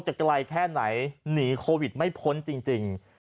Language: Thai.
ไกลแค่ไหนหนีโควิดไม่พ้นจริง